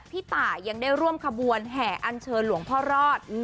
พี่ตายยังได้ร่วมขบวนแห่อันเชิญหลวงพ่อรอด